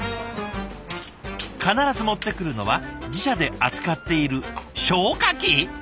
必ず持ってくるのは自社で扱っている消火器？